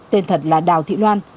tên thật là đào thị loan